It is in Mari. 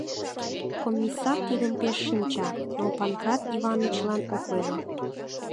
Комиссар тидым пеш шинча, но Панкрат Иванычлан ок ойло...